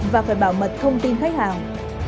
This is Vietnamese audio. và phải bảo mật thông tin khách hàng